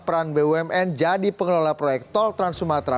peran bumn jadi pengelola proyek tol trans sumatera